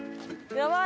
やばい！